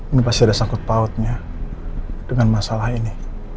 ini pasti ada sangkut pautnya dengan masalah ini